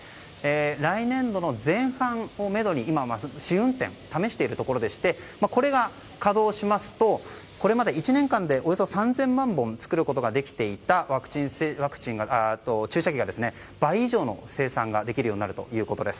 来年度の前半をめどに今、試運転試しているところでしてこれが稼働しますとこれまで１年間でおよそ３０００万本作ることができていた注射器が倍以上の生産ができるようになるということです。